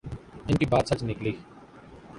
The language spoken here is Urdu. ان کی بات سچ نکلی۔